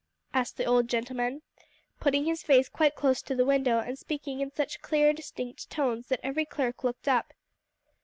asked the old gentleman, putting his face quite close to the window, and speaking in such clear, distinct tones that every clerk looked up.